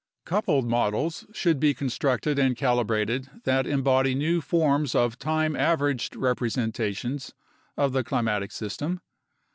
Coupled models should be constructed and calibrated that embody new forms of time averaged representations of the climatic system.